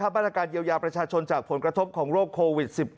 มาตรการเยียวยาประชาชนจากผลกระทบของโรคโควิด๑๙